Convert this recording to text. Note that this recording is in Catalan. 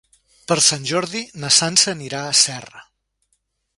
Per Sant Jordi na Sança anirà a Serra.